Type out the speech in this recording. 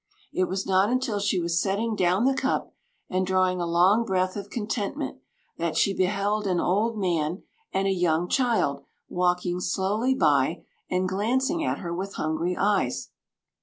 It was not until she was setting down the cup, and drawing a long breath of contentment, that she beheld an old man and a young child walking slowly by, and glancing at her with hungry eyes.